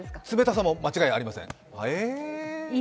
冷たさも間違いありません。